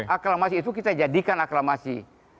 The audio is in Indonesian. aklamasi itu kita jadikan aklamasi